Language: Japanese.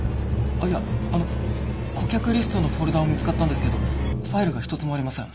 いやあの顧客リストのフォルダは見つかったんですけどファイルが１つもありません。